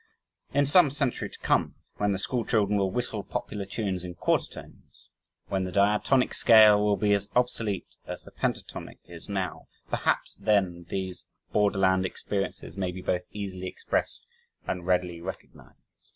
In some century to come, when the school children will whistle popular tunes in quarter tones when the diatonic scale will be as obsolete as the pentatonic is now perhaps then these borderland experiences may be both easily expressed and readily recognized.